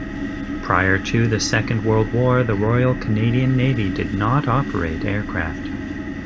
Prior to the Second World War the Royal Canadian Navy did not operate aircraft.